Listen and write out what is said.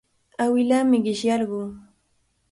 Awilaami qishyarqun.